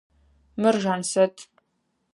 Мыр Жансэт.